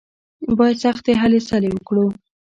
بايد سختې هلې ځلې وکړو.